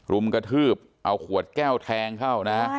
รุมกระทืบเอาขวดแก้วแทงเข้านะ